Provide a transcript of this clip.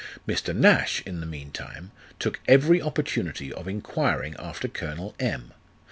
Mr. Nash, in the mean time, took every opportunity of inquiring after Colonel M.